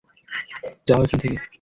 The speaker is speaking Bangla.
যাও এখান থেকে!